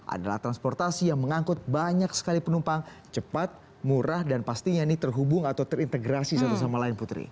adalah transportasi yang mengangkut banyak sekali penumpang cepat murah dan pastinya ini terhubung atau terintegrasi satu sama lain putri